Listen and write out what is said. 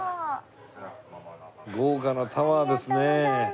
豪華なタワーですね。